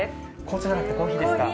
紅茶じゃなくてコーヒーですか？